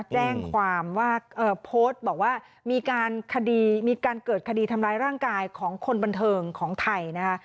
แจ้งความว่าโพสต์บอกว่ามีการคดีมีการเกิดคดีทำร้ายร่างกายของคนบันเทิงของไทยนะคะ